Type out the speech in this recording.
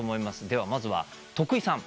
ではまずは徳井さん。